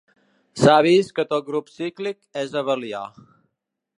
S'ha vist que tot grup cíclic és abelià.